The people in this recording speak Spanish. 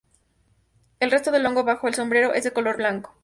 El resto del hongo bajo el sombrero es de color blanco.